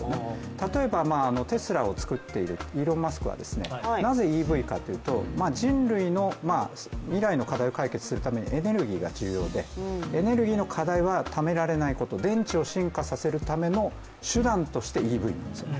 例えば、テスラを作っているイーロン・マスクはなぜＥＶかというと、人類の未来の課題を解決するためにエネルギーが重要で、エネルギーの課題は、ためられないこと、電池を進化させるための手段としてＥＶなんですよね。